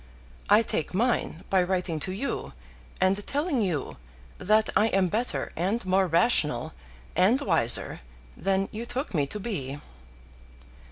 I take mine by writing to you and telling you that I am better and more rational and wiser than you took me to be.